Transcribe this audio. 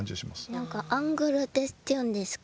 何かアングルって言うんですか？